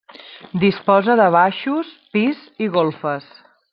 Disposa de baixos, pis i golfes.